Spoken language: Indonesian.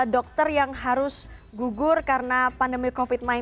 dua ratus dua puluh empat dokter yang harus gugur karena pandemi covid sembilan belas